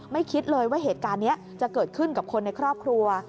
คิดเลยว่าเหตุการณ์นี้จะเกิดขึ้นกับคนในครอบครัว